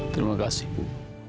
terima kasih ibu